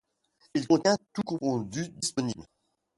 Il contient tout confondu disponibles.